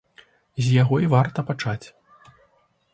З яго і варта пачаць.